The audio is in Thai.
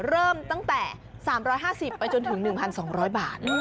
เริ่มตั้งแต่๓๕๐ไปจนถึง๑๒๐๐บาท